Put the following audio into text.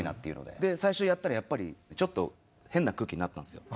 で最初やったらやっぱりちょっと変な空気になったんすよ。